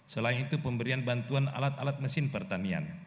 selain itu pemberian bantuan alat alat mesin pertanian